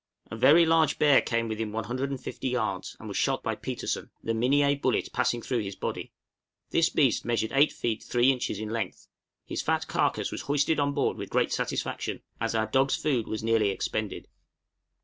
A very large bear came within 150 yards, and was shot by Petersen, the Minié bullet passing through his body. This beast measured 8 ft. 3 in. in length; his fat carcase was hoisted on board with great satisfaction, as our dogs' food was nearly expended.